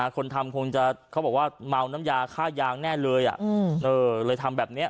คงจะเขาบอกว่าเมาน้ำยาฆ่ายางแน่เลยอ่ะอืมเออเลยทำแบบเนี้ย